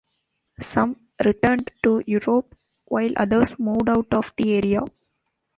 Some returned to Europe while others moved out of the area.